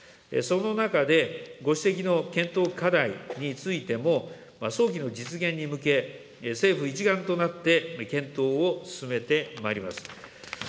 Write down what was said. その中で、ご指摘の検討課題についても、早期の実現に向け、政府一丸となって、検討を進めてまいります。